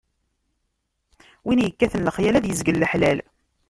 Win ikkaten lexyal, ad izgel leḥlal.